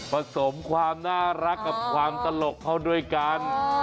สมความน่ารักกับความตลกเขาด้วยกัน